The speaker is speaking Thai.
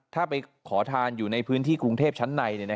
ถ้าไปขอทานอยู่ในพื้นที่กรุงเทพชั้นใน